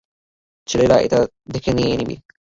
ছেলেরা এটা দেখে নিবে।